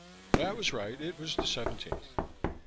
That was right, it was the seventeenth.